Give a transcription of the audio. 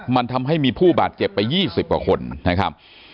มันทำให้มีผู้บาดเจ็บไป๒๐กว่าคนนะครับ